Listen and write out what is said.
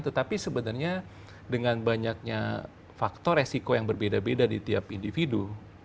tetapi sebenarnya dengan banyaknya faktor resiko yang berbeda beda di tiap individu